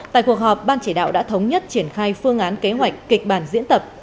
tại cuộc họp ban chỉ đạo đã thống nhất triển khai phương án kế hoạch kịch bản diễn tập